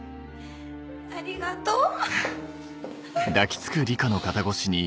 ありがとう。